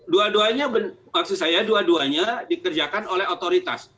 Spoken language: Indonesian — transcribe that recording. dua duanya maksud saya dua duanya dikerjakan oleh otoritas